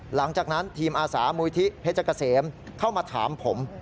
หลังจากนั้นทีมอาสามูลที่เพชรเกษมเข้ามาถามผม